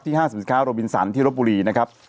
ห้างสินค้าโรบินสันที่รบบุรีนะครับ